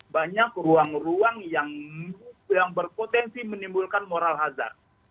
banyak ruang ruang yang berpotensi menimbulkan moral hazar